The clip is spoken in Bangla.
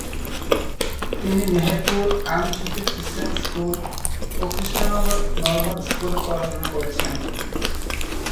তিনি মেহেরপুর আমঝুঁপি খ্রিষ্টান স্কুল ও কৃষ্ণনগর নর্মাল স্কুলে পড়াশোনা করেছেন।